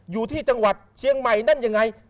อยู่ที่จังหวัดเชียงใหม่นั่นยังไง